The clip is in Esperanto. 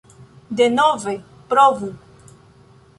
Denove provu